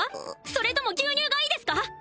それとも牛乳がいいですか？